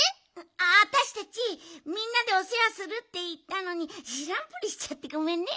あたしたちみんなでおせわするっていったのにしらんぷりしちゃってごめんね。